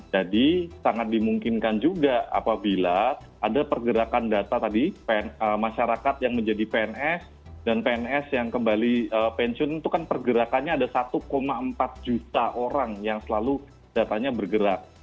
jadi sangat dimungkinkan juga apabila ada pergerakan data tadi masyarakat yang menjadi pns dan pns yang kembali pensiun itu kan pergerakannya ada satu empat juta orang yang selalu datanya bergerak